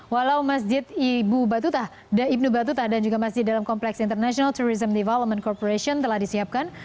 walau masjid ibnu batuta dan juga masjid dalam complex international tourism development corporation telah disiapkan